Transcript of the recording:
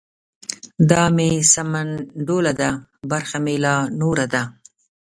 دا مې سمنډوله ده برخه مې لا نوره ده.